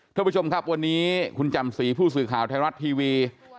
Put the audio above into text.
ท่านผู้ชมครับวันนี้คุณจำศรีผู้สื่อข่าวไทยรัฐทีวี